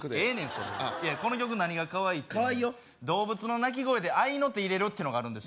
そんなこの曲何がかわいいって動物の鳴き声で合いの手入れるってのがあります